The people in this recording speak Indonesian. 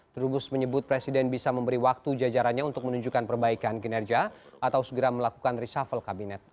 trubus menyebut presiden bisa memberi waktu jajarannya untuk menunjukkan perbaikan kinerja atau segera melakukan reshuffle kabinet